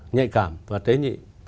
nhạy cảm và tế nhị